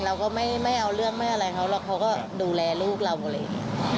เราก็ไม่เอาเรื่องไม่อะไรเขาหรอกเขาก็ดูแลลูกเราหมดเลย